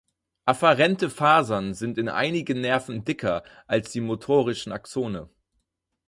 Afferente Fasern sind in einigen Nerven dicker als die motorischen Axone.